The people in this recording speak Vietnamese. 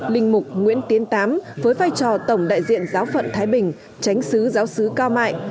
linh mục nguyễn tiến tám với vai trò tổng đại diện giáo phận thái bình tránh xứ giáo sứ cao mãi